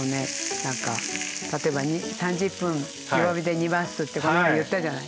何か例えば３０分弱火で煮ますってこの間言ったじゃない。